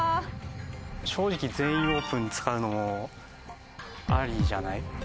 正直「全員オープン」使うのもありじゃない？